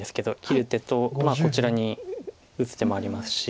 切る手とこちらに打つ手もありますし。